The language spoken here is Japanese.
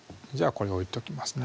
これ置いときますね